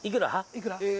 いくら？